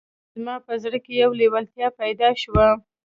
زما په زړه کې یوه لېوالتیا پیدا شوه